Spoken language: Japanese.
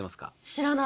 知らない。